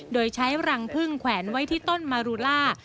โดยใช้รังพึ่งแขวนไว้ที่ต้นมารูล่า